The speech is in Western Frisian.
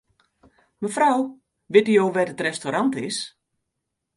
Mefrou, witte jo wêr't it restaurant is?